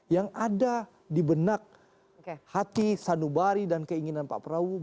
yang ada di benak hati sanubari dan keinginan pak prabowo